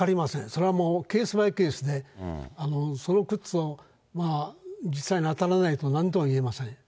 それはもうケースバイケースで、その靴を実際に当たらないと、なんともいえません。